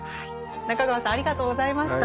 中川さんありがとうございました。